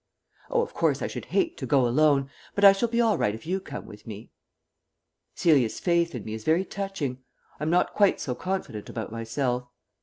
"Oh, of course, I should hate to go alone. But I shall be all right if you come with me." Celia's faith in me is very touching. I am not quite so confident about myself.